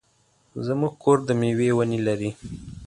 زمونږ کور د مېوې ونې لري.